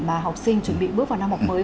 mà học sinh chuẩn bị bước vào năm học mới